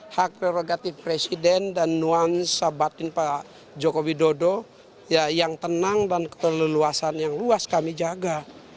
hak prerogatif presiden dan nuansa batin pak joko widodo yang tenang dan keleluasan yang luas kami jaga